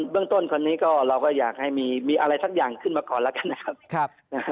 เรื่องต้นคนนี้ก็เราก็อยากให้มีอะไรสักอย่างขึ้นมาก่อนแล้วกันนะครับ